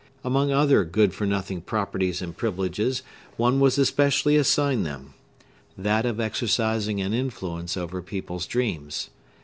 Among other good for nothing properties and privileges, one was especially assigned them,—that of exercising an influence over people's dreams.